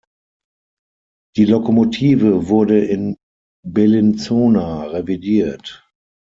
Die Lokomotive wurde in Bellinzona revidiert.